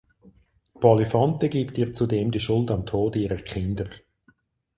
Polifonte gibt ihr zudem die Schuld am Tod ihrer Kinder.